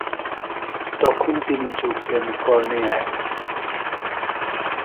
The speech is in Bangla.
তখন তিনি যোগ দেন কর্নেয়ায়।